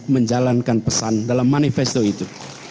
menjalankan pesan dalam manifesto itu